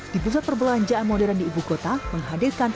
di pusat perbelanjaan modern di ibu kota menghadirkan